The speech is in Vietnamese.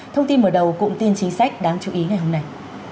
thông tin mở đầu cụm tin chính sách đáng chú ý ngày hôm nay